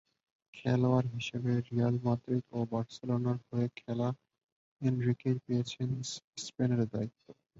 খেলোয়াড় হিসেবে Real Madrid ও বার্সেলোনার হয়ে খেলা এনরিকেই পেয়েছেন স্পেনের দায়িত্ব।